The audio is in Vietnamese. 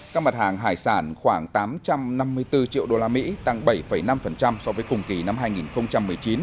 các mặt hàng hải sản khoảng tám trăm năm mươi bốn triệu đô la mỹ tăng bảy năm so với cùng kỳ năm hai nghìn một mươi chín